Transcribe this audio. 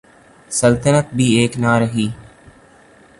سلطنت بھی ایک نہ رہی۔